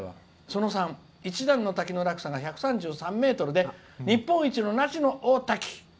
「その３、一段の滝の落差が１３３ｍで日本一の那智の大滝。